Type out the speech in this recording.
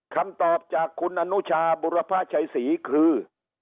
คำตอบจากคุณอนุชาบุรพชัยศรีคือ